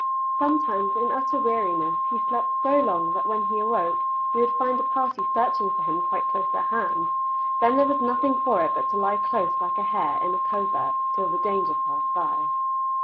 Sometimes, in utter weariness, he slept so long that when he awoke he would find a party searching for him quite close at hand; then there was nothing for it but to lie close like a hare in a covert till the danger passed by.